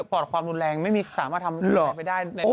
เผาบอกความรุนแรงไม่มีสามารถทำไฟได้